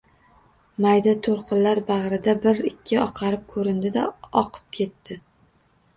Mayda toʼlqinlar bagʼrida bir-ikki oqarib koʼrindi-da… Oqib ketdi!